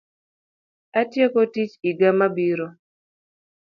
Atieko tiich iga mabiro.